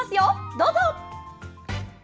どうぞ。